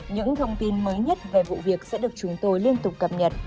những thông tin mới nhất về vụ việc sẽ được chúng tôi liên tục cập nhật